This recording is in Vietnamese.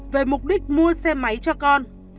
về mục đích mua xe máy cho con